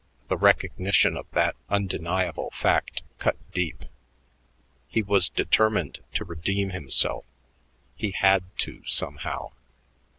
The recognition of that undeniable fact cut deep. He was determined to redeem himself; he had to, somehow.